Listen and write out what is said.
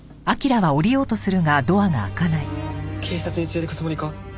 警察に連れて行くつもりか？